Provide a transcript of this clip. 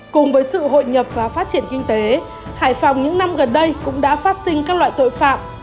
cùng với sự hội nhập và phát triển kinh tế hải phòng những năm gần đây cũng đã phát sinh các loại tội phạm